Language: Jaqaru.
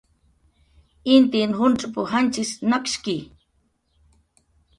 "Intin juncx'p"" janchis nakshki"